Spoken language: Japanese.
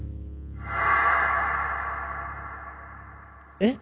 えっ？